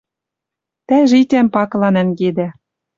Тӓ житям пакыла нӓнгедӓ